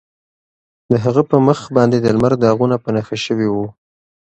د هغه په مخ باندې د لمر داغونه په نښه شوي وو.